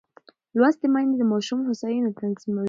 لوستې میندې د ماشوم هوساینه تضمینوي.